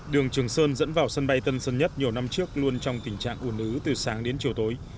đường trường sơn dẫn vào sân bay tân sơn nhất nhiều năm trước luôn trong tình trạng ủn ứ từ sáng đến chiều tối